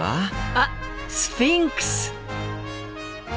あっスフィンクス！